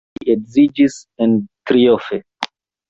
Li edziĝis en trifoje.